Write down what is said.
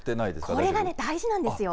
これがね、大事なんですよ。